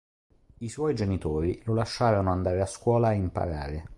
I suoi genitori lo lasciarono andare a scuola a imparare.